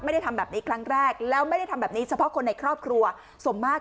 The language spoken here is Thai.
ไม่ได้ทำแบบนี้ครั้งแรกแล้วไม่ได้ทำแบบนี้เฉพาะคนในครอบครัวสมมาก